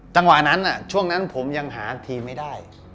จังหวะนั้นช่วงนั้นผมยังหาทีมไม่ได้